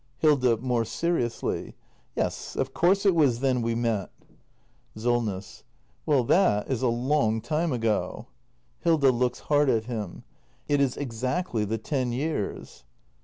Hilda. [More seriously.] Yes, of course it was then we met. Solness. Well, that is a long time ago. Hilda. [Looks hard at him.] It is exactly the ten years.